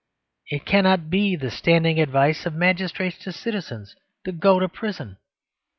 It cannot be the standing advice of magistrates to citizens to go to prison.